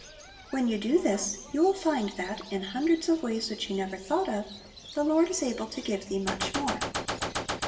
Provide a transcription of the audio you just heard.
When you do this, you will find that, in hundreds of ways which you never thought of, "the Lord is able to give thee much more."